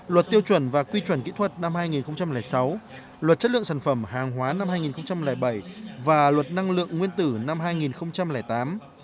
luật tiêu chuẩn và quy chuẩn kỹ thuật năm hai nghìn sáu luật chất lượng sản phẩm hàng hóa năm hai nghìn bảy và luật năng lượng nguyên tử năm hai nghìn tám